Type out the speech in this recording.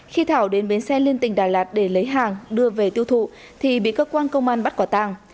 khi thảo đến bến xe liên tỉnh đà lạt để lấy hàng đưa về tiêu thụ thì bị cơ quan công an bắt quả tàng